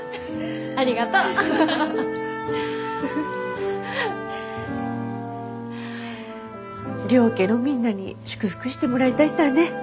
ありがとう！両家のみんなに祝福してもらいたいさぁね。